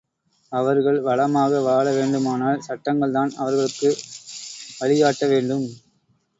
அவர்கள் வளமாக வாழ வேண்டுமானால், சட்டங்கள்தான் அவர்களுக்கு வழி காட்ட வேண்டும்.